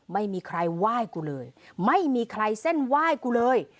ไม่มีใครไหว้กูเลยไม่มีใครเส้นไหว้กูเลย